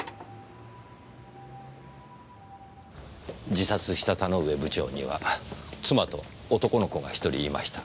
自殺した田ノ上部長には妻と男の子が１人いました。